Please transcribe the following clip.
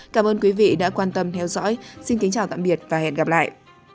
cảm ơn quý vị đã quan tâm theo dõi xin kính chào tạm biệt và hẹn gặp lại